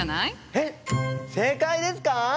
えっ正解ですか？